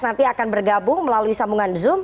nanti akan bergabung melalui sambungan zoom